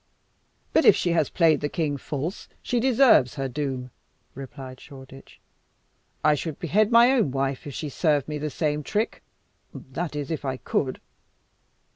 "But if she has played the king false she deserves her doom," replied Shoreditch. "I would behead my own wife if she served me the same trick that is, if I could."